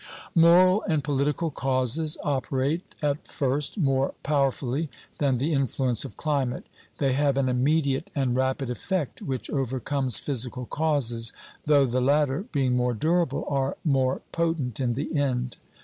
Moral and political causes operate at first more power fully than the influence of climate; they have an immediate and rapid effect which overcomes physical causes, though the latter, being more durable, are more potent in the end.